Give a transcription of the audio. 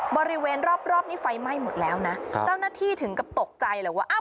บริเวณรอบนี้ไฟใหม่หมดแล้วนะเจ้านัทธิถึงกับตกใจหรือว่า